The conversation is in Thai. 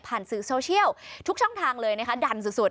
สื่อโซเชียลทุกช่องทางเลยนะคะดันสุด